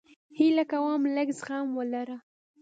هیله کوم لږ زغم ولره